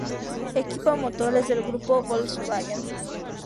Equipa motores del Grupo Volkswagen.